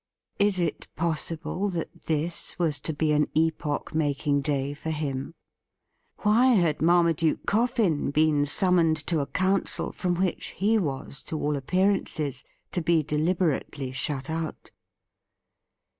Is it possible that this was to be an epoch making day for him ? Why had Marmaduke Coffin been summoned to a council from which he was to all appearance to be deliberately shut out?